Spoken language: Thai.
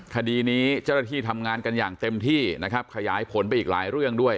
คดีนี้เจ้าหน้าที่ทำงานกันอย่างเต็มที่นะครับขยายผลไปอีกหลายเรื่องด้วย